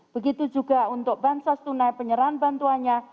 begitu juga untuk bansos tunai penyerahan bantuannya